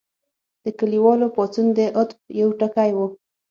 د کلیوالو پاڅون د عطف یو ټکی و.